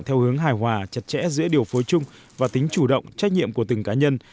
theo hướng hài hòa chặt chẽ giữa điều phối chung và tính chủ động trách nhiệm của từng cá nhân